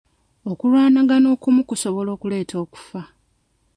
Okulwanagana okumu kusobola okuleeta okufa.